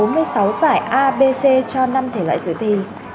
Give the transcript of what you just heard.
bốn mươi sáu giải a b c cho năm thể loại giới thi